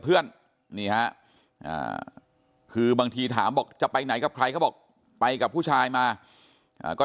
เพื่อนบางทีถามบอกจะไปไหนกับใครก็บอกไปกับผู้ชายมาก็